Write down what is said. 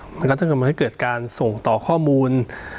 มันก็จะทำให้เกิดการส่งต่อข้อมูล